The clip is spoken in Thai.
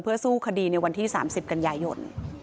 เพื่อสู้คดีในวันที่๓๐กันยายยนต์